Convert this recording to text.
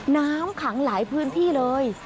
น้ำขังหลายพื้นที่เลย